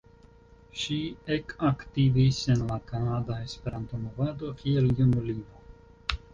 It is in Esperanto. Ŝi ekaktivis en la kanada Esperanto-movado kiel junulino.